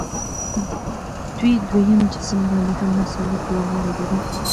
دوی دویم جسم باندې هم مساوي قوه واردوي.